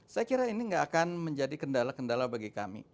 saya kira ini nggak akan menjadi kendala kendala bagi kami